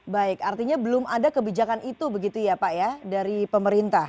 baik artinya belum ada kebijakan itu begitu ya pak ya dari pemerintah